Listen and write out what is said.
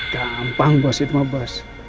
gampang bos itu mah bos